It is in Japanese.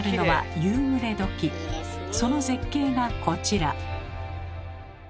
その絶景がこちら。